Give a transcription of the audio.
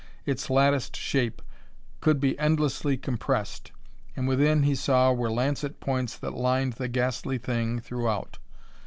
Its latticed shape could be endlessly compressed, and within, he saw, were lancet points that lined the ghastly thing throughout.